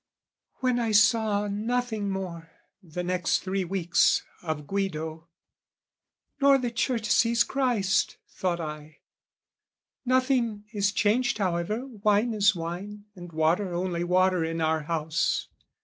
When I saw nothing more, the next three weeks, Of Guido "Nor the Church sees Christ" thought I: "Nothing is changed however, wine is wine "And water only water in our house.